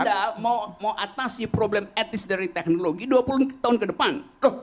anda mau atasi problem etis dari teknologi dua puluh tahun ke depan